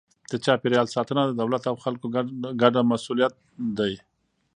د چاپیریال ساتنه د دولت او خلکو ګډه مسئولیت دی.